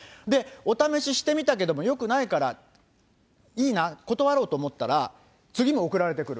お試ししてみたけども、よくないからいいな、断ろうと思ったら次も送られてくる。